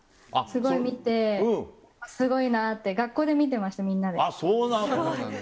すごい見て、すごいなって、学校で見てました、みんなで。